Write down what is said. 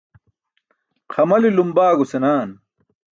Xamalilum baago senaan.